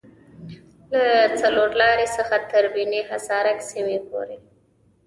له څلورلارې څخه تر بیني حصار سیمې پورې